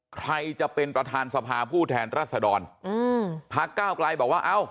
ใครจะเป็นประธานสภาผู้แทนรัศดรอืมพักเก้าไกลบอกว่าเอ้า